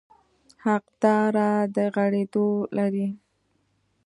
حقداره د غږېدو لري.